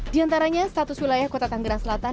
di antaranya status wilayah kota tanggerang selatan